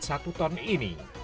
satu ton ini